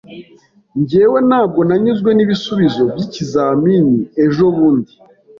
Njyewe, ntabwo nanyuzwe n'ibisubizo by'ikizamini ejobundi.